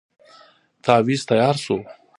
تاويذ تیار شو.